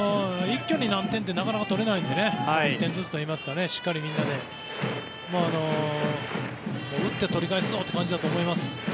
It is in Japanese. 一挙に何点って、なかなか取れないので１点ずつというかしっかりみんなで打って取り返すぞっていう感じだと思います。